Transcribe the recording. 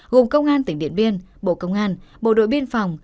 gồm công an tỉnh điện biên bộ công an bộ đội biên phòng